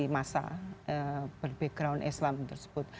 yang bermasa ber background islam tersebut